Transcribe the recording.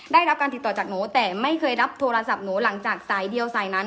ได้รับการติดต่อจากหนูแต่ไม่เคยรับโทรศัพท์หนูหลังจากสายเดียวสายนั้น